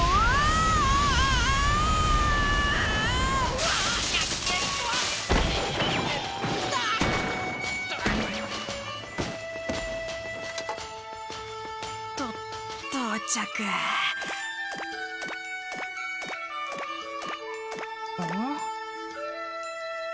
うわっと到着うん？